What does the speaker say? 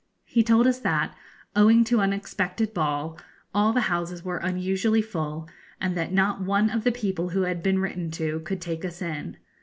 He told us that, owing to an expected ball, all the houses were unusually full, and that not one of the people who had been written to could take us in.